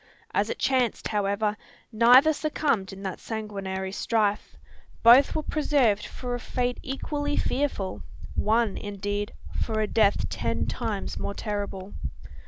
As it chanced, however, neither succumbed in that sanguinary strife. Both were preserved for a fate equally fearful: one, indeed, for a death ten times more terrible.